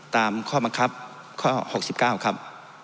ตามข้อบังคับข้อ๖๙ครับ